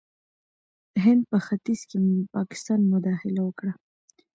هند په ختیځ پاکستان کې مداخله وکړه.